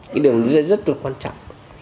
cái điều này rất là quan trọng